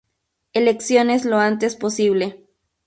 Elecciones lo antes posible.